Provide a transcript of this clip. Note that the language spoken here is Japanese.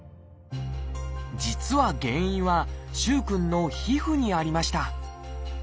実は原因は萩くんの皮膚にありました。